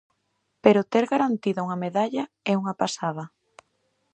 Pero ter garantida unha medalla é unha pasada.